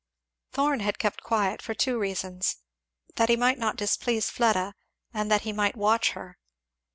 Thorn had kept quiet, for two reasons that he might not displease Fleda, and that he might watch her.